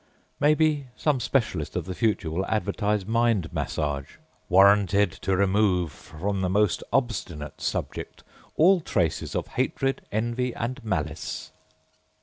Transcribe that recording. Maybe some specialist of the future will advertise Mind Massage: âWarranted to remove from the most obstinate subject all traces of hatred, envy, and malice.